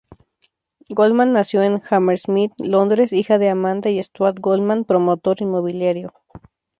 Goldman nació en Hammersmith, Londres, hija de Amanda y Stuart Goldman, promotor inmobiliario.